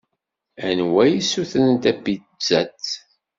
Anwa i yessutren tapizzat?